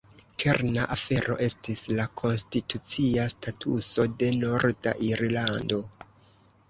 Kerna afero estis la konstitucia statuso de Norda Irlando.